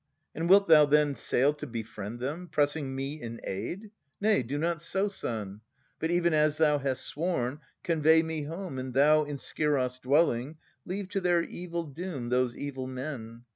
And wilt thou then Sail to befriend them, pressing me in aid ? Nay, do not, son; but, even as thou hast sworn. Convey me home, and thou, in Scyros dwelling. Leave to their evil doom those evil men.